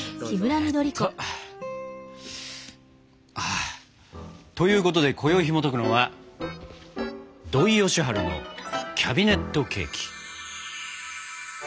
あということで今宵ひもとくのは「土井善晴のキャビネットケーキ」。